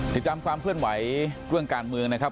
ติดตามความเคลื่อนไหวเรื่องการเมืองนะครับ